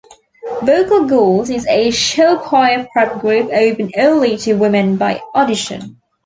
Vocal Gold is a show choir prep group open only to women by audition.